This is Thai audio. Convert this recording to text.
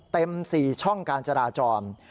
๔ช่องการจราจร